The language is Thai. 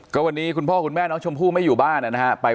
ก็วันนี้คุณพ่อคุณแม่น้องชมพู่ไม่อยู่บ้านนะครับ